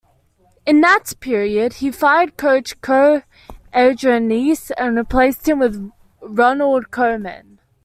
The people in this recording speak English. In that period he fired coach Co Adriaanse and replaced him with Ronald Koeman.